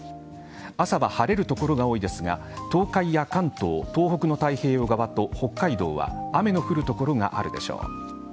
朝は晴れる所が多いですが東海や関東、東北の太平洋側と北海道は雨の降る所があるでしょう。